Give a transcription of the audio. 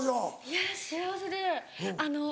いや幸せであのえっ。